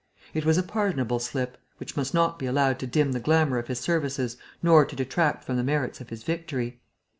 It was a pardonable slip, which must not be allowed to dim the glamour of his services nor to detract from the merits of his victory.